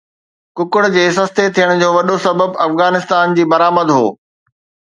ڪڪڙ جي سستي ٿيڻ جو وڏو سبب افغانستان جي برآمد هو